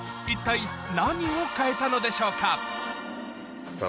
一体何を変えたのでしょうか？